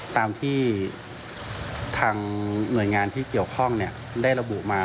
ตามที่ทางหน่วยงานที่เกี่ยวข้องได้ระบุมา